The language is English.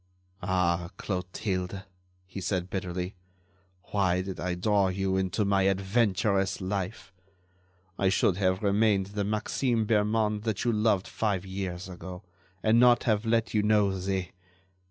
"Ah, Clotilde," he said, bitterly, "why did I draw you into my adventurous life? I should have remained the Maxime Bermond that you loved five years ago, and not have let you know the